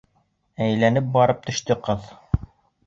Әйләнеп барып төштө ҡыҙ.